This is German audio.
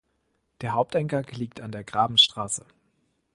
Der Haupteingang liegt an der Grabenstraße.